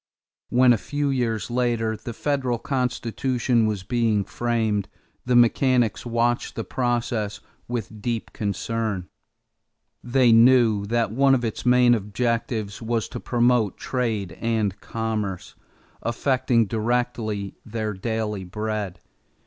When, a few years later, the federal Constitution was being framed, the mechanics watched the process with deep concern; they knew that one of its main objects was to promote trade and commerce, affecting directly their daily bread.